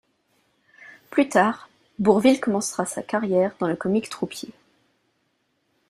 Plus tard, Bourvil commencera sa carrière dans le comique troupier.